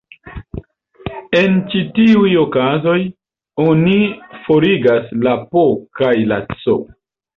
En ĉi tiuj okazoj, oni forigas la "P" kaj la "C".